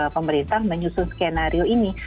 pemerintah menyusun skenario ini